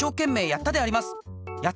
やったであります。